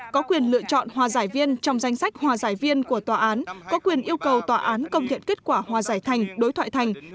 có quyền lựa chọn hòa giải viên trong danh sách hòa giải viên của tòa án có quyền yêu cầu tòa án công thiện kết quả hòa giải thành đối thoại thành